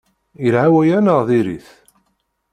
Yelha waya neɣ diri-t?